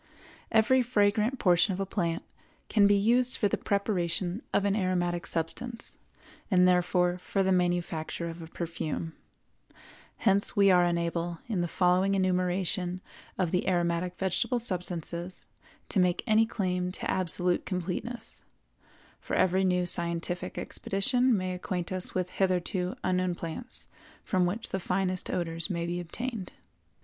Every fragrant portion of a plant can be used for the preparation of an aromatic substance, and therefore for the manufacture of a perfume. Hence we are unable, in the following enumeration of the aromatic vegetable substances, to make any claim to absolute completeness; for every new scientific expedition may acquaint us with hitherto unknown plants from which the finest odors may be obtained.